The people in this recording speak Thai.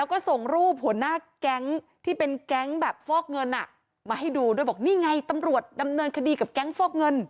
แล้วก็ส่งรูปหัวหน้าแก๊งที่เป็นแก๊งแบบฟอกเงินมาให้ดูด้วยบอกนี่ไงตำรวจดำเนินคดีกับแก๊งฟอกเงิน